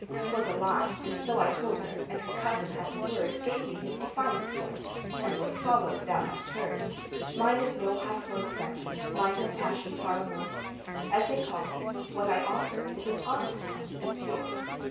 'T was a lie, and so I told her, And her cousin at the word Gave me his defiance for it; And what followed thou hast heard. Mine is no high flown affection, Mine no passion par amours As they call it what I offer Is an honest love, and pure.